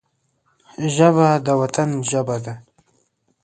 ژبه د وطن ژبه ده